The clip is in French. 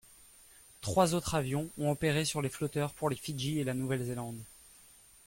Trois autres avions ont opéré sur les flotteurs pour les Fidji et la Nouvelle-Zélande.